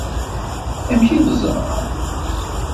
Amek ay teẓra?